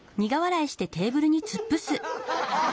アハハハ。